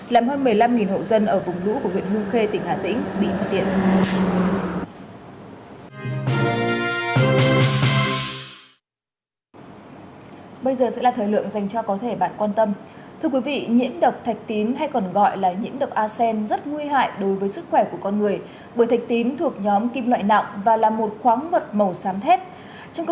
làm hơn một mươi năm hộ dân ở vùng lũ của huyện hương khê tỉnh hà tĩnh bị mất điện